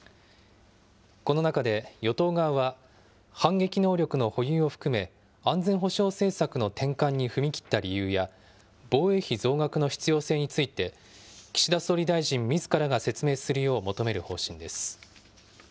この中で、与党側は反撃能力の保有を含め安全保障政策の転換に踏み切った理由や、防衛費増額の必要性について岸田総理大臣みずからが説明するよう求める方針です。